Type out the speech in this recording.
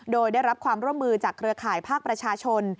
โดยได้รับความร่วมมือจากเครือข่ายภาคประชาชน